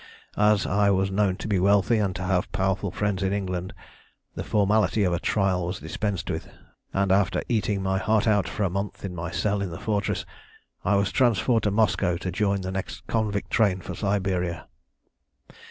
"As I was known to be wealthy, and to have powerful friends in England, the formality of a trial was dispensed with, and after eating my heart out for a month in my cell in the fortress, I was transferred to Moscow to join the next convict train for Siberia.